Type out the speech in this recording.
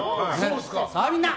さあ、みんな！